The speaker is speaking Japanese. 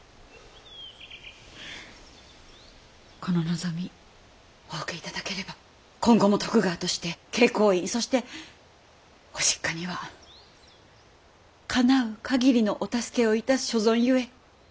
この望みお受け頂ければ今後も徳川として慶光院そしてご実家にはかなう限りのお助けをいたす所存ゆえ。